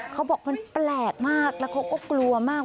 เขาบอกมันแปลกมากแล้วเขาก็กลัวมาก